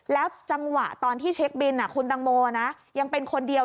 แล้วจังหวะตอนที่เช็คบินคุณตังโมนะยังเป็นคนเดียว